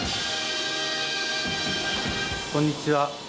こんにちは。